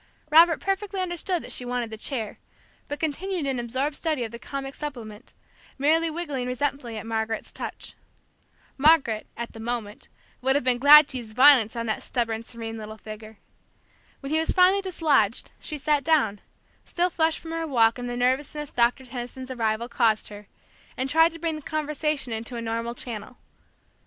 Robert perfectly understood that she wanted the chair, but continued in absorbed study of the comic supplement, merely wriggling resentfully at Margaret's touch. Margaret, at the moment, would have been glad to use violence on the stubborn, serene little figure. When he was finally dislodged, she sat down, still flushed from her walk and the nervousness Doctor Tenison's arrival caused her, and tried to bring the conversation into a normal channel.